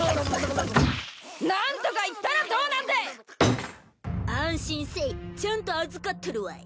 何とか言ったらどうなんでぇ！安心せいちゃんと預かっとるわい。